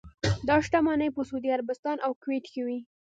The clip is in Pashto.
دا شتمنۍ په سعودي عربستان او کویټ کې وې.